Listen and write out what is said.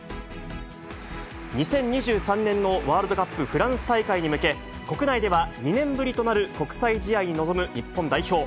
２０２３年のワールドカップフランス大会に向け、国内では２年ぶりとなる国際試合に臨む日本代表。